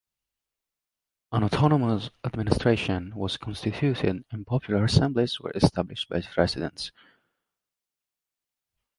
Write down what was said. An Autonomous Administration was constituted and popular assemblies were established by its residents.